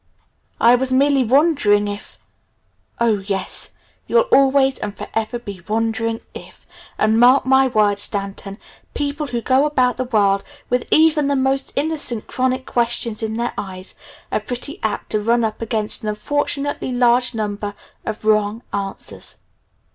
I was merely wondering if ' Oh yes, you'll always and forever be 'wondering if'. And mark my words, Stanton, people who go about the world with even the most innocent chronic question in their eyes, are pretty apt to run up against an unfortunately large number of wrong answers."